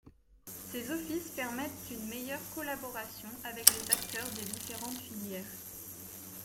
Ces offices permettent une meilleure collaboration avec les acteurs des différentes filières.